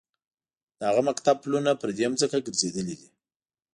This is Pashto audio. د هغه مکتب پلونه پر دې ځمکه ګرځېدلي دي.